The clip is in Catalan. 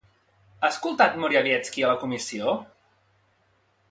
Ha escoltat Morawiecki a la Comissió?